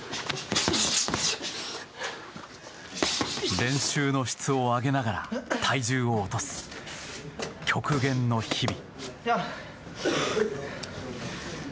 練習の質を上げながら体重を落とす極限の日々。